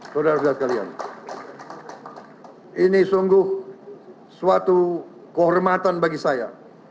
saudara saudara sekalian ini sungguh suatu kehormatan bagi saya